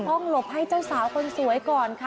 หลบให้เจ้าสาวคนสวยก่อนค่ะ